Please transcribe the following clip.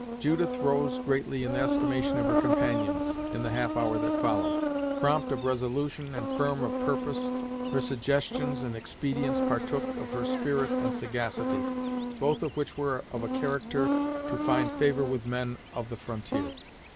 Judith rose greatly in the estimation of her companions, in the half hour that followed. Prompt of resolution and firm of purpose, her suggestions and expedients partook of her spirit and sagacity, both of which were of a character to find favor with men of the frontier.